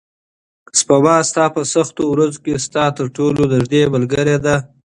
سپما ستا په سختو ورځو کې ستا تر ټولو نږدې ملګرې ده.